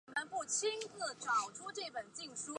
黄带豆娘鱼为雀鲷科豆娘鱼属的鱼类。